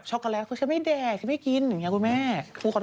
อยากเสียตัว